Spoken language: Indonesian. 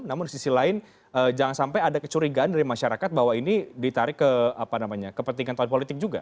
namun di sisi lain jangan sampai ada kecurigaan dari masyarakat bahwa ini ditarik ke kepentingan tahun politik juga